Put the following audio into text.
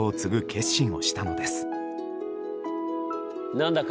何だか